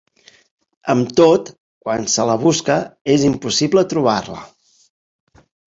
Amb tot, quan se la busca és impossible trobar-la.